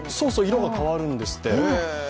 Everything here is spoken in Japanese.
色が変わるんですって。